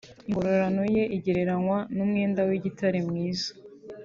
Ingororano ye igereranywa n'umwenda w'igitare mwiza